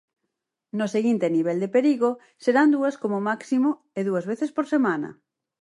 No seguinte nivel de perigo, serán dúas como máximo, e dúas veces por semana.